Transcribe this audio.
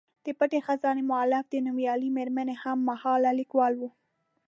د پټې خزانې مولف د نومیالۍ میرمنې هم مهاله لیکوال و.